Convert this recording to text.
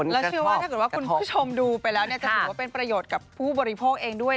แล้วเชื่อว่าถ้าเกิดว่าคุณผู้ชมดูไปแล้วจะถือว่าเป็นประโยชน์กับผู้บริโภคเองด้วย